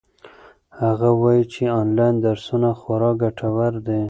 هغه وایي چې آنلاین درسونه خورا ګټور دي.